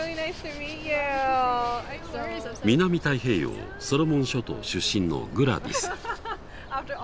南太平洋ソロモン諸島出身のグラディス。